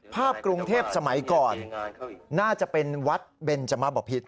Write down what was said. กรุงเทพสมัยก่อนน่าจะเป็นวัดเบนจมะบพิษ